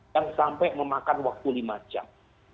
yang sampai memakan waktu lima jam